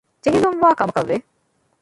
ޖެހިލުންވާ ކަމަކަށް ވެ